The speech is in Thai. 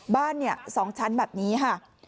บ้านเนี่ย๒ชั้นแบบนี้ค่ะ